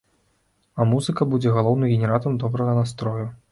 А музыка будзе галоўным генератарам добрага настрою.